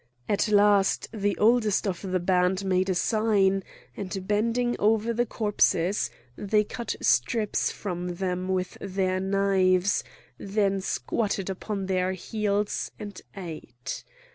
At last the oldest of the band made a sign, and bending over the corpses they cut strips from them with their knives, then squatted upon their heels and ate.